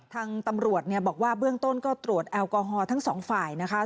ทางตำรวจเนี่ยบอกว่าเบื้องต้นก็ตรวจแอลกอฮอลทั้งสองฝ่ายนะคะ